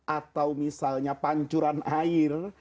atau misalnya pancuran air